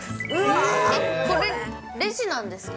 これレジなんですか。